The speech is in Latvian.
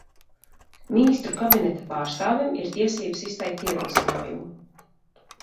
Ministru kabineta pārstāvim ir tiesības izteikt ierosinājumu.